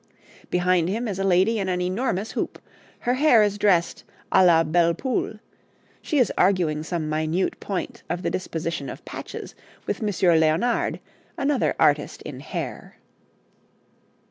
Behind him is a lady in an enormous hoop; her hair is dressed à la belle Poule; she is arguing some minute point of the disposition of patches with Monsieur Léonard, another artist in hair.